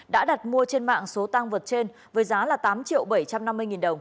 đã đặt mua trên mạng số tăng vật trên với giá là tám triệu bảy trăm năm mươi nghìn đồng